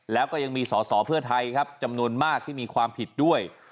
แล้วก็ยังมีสอสอเพื่อไทยครับจำนวนมากที่มีความผิดด้วย